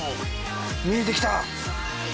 見えてきた！